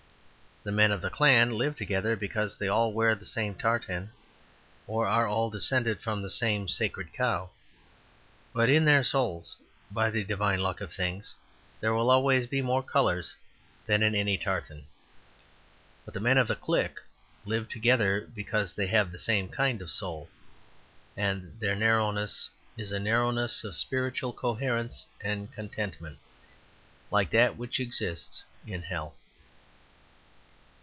The men of the clan live together because they all wear the same tartan or are all descended from the same sacred cow; but in their souls, by the divine luck of things, there will always be more colours than in any tartan. But the men of the clique live together because they have the same kind of soul, and their narrowness is a narrowness of spiritual coherence and contentment, like that which exists in hell.